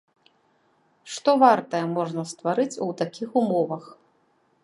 Што вартае можна стварыць у такіх умовах?